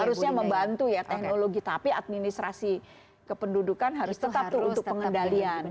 harusnya membantu ya teknologi tapi administrasi kependudukan harus tetap tuh untuk pengendalian